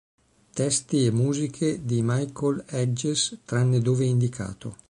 Testi e musiche di Michael Hedges tranne dove indicato